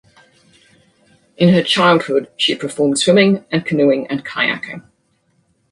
In her childhood she performed swimming and canoeing and kayaking.